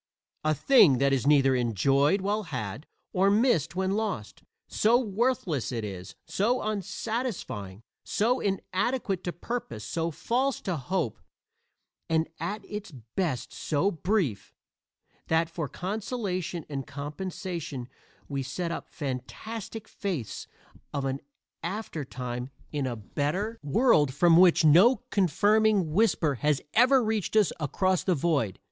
A thing that is neither enjoyed while had, or missed when lost. So worthless it is, so unsatisfying, so inadequate to purpose, so false to hope and at its best so brief, that for consolation and compensation we set up fantastic faiths of an aftertime in a better world from which no confirming whisper has ever reached us across the void.